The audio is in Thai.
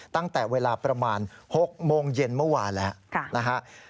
ตั้งแต่เวลาประมาณ๖โมงเย็นเมื่อวานแล้วนะครับ